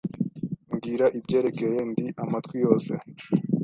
Mbwira ibyerekeye. Ndi amatwi yose.